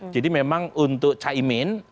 jadi memang untuk chaimin